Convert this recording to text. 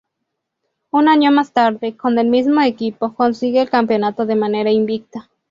Un año más tarde, con el mismo equipo, consigue el campeonato de manera invicta.